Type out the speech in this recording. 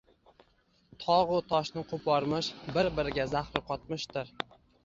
Togʻu toshni qoʻpormish, bir-biriga zahri qotmishdir